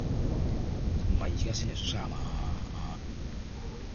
唔係而家先嚟縮沙呀嘛？